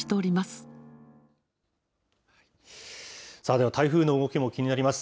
では、台風の動きも気になります。